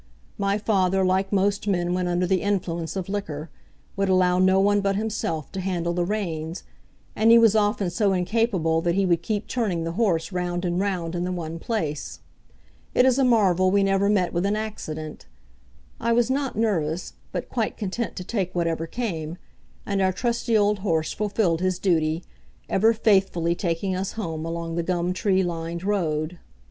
My father, like most men when under the influence of liquor, would allow no one but himself to handle the reins, and he was often so incapable that he would keep turning the horse round and round in the one place. It is a marvel we never met with an accident. I was not nervous, but quite content to take whatever came, and our trusty old horse fulfilled his duty, ever faithfully taking us home along the gum tree lined road.